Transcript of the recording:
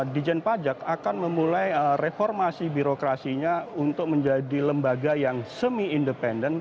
dijen pajak akan memulai reformasi birokrasinya untuk menjadi lembaga yang semi independen